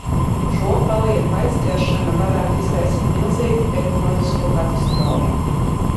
Šo palieku aizķeršana varētu izraisīt milzīgu ekoloģisko katastrofu.